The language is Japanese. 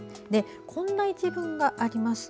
こんな一文があります。